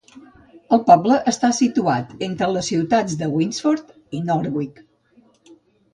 El poble està situat entre les ciutats de Winsford i Northwich.